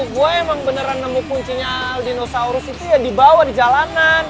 gue emang beneran nemu kuncinya aldinosaurus itu ya di bawah di jalanan